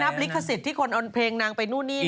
ไม่นับลิขสิทธิ์ที่คนเอาเพลงนางไปนู่นนี่นั่น